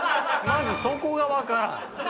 まずそこが分からん！